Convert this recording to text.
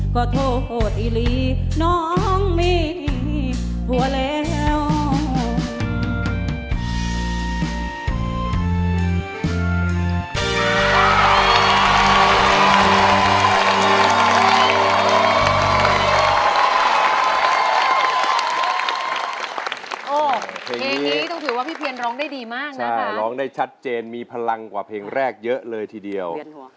ขอโทษอีลีน้องมีผัวแล้ว